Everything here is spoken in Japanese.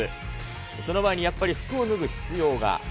その前にやっぱり服を脱ぐ必要が。